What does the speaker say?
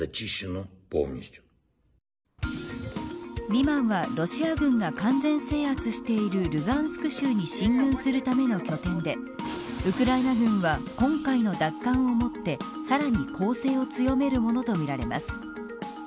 リマンはロシア軍が完全制圧しているルガンスク州に進軍するための拠点でウクライナ軍は今回の奪還をもってさらに攻勢を強めるものとみられます。